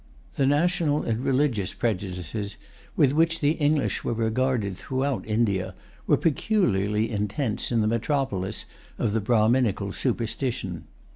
The national and religious prejudices with which the English were regarded throughout India were peculiarly intense in the metropolis of the Brahminical superstition.